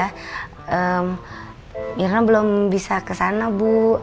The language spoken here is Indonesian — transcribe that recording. ya irna belum bisa ke sana bu